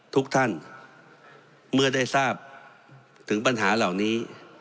ทุกท่านเมื่อได้ทราบถึงปัญหาเหล่านี้